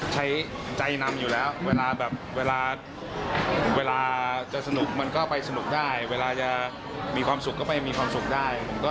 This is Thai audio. ใช้ใจนำอยู่แล้วเวลาแบบเวลาจะสนุกมันก็ไปสนุกได้เวลาจะมีความสุขก็ไปมีความสุขได้